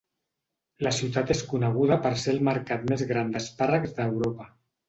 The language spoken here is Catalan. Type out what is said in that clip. La ciutat és coneguda per ser el mercat més gran d'espàrrecs d'Europa.